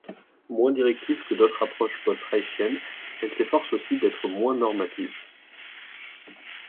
Moins directive que d'autres approches post-reichiennes, elle s'efforce aussi d'être moins normative.